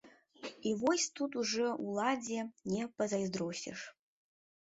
І вось тут ужо ўладзе не пазайздросціш.